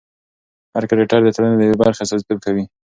هر کرکټر د ټولنې د یوې برخې استازیتوب کوي.